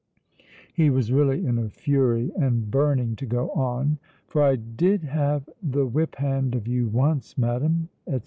He was really in a fury, and burning to go on "For I did have the whip hand of you once, madam," etc.